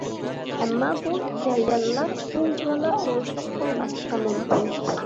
ئەمما، بۇ جەريانلار ئۇنچىۋالا ئوڭۇشلۇق بولماسلىقى مۇمكىن.